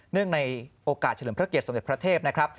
ในโอกาสเฉลิมพระเกียรสมเด็จพระเทพนะครับ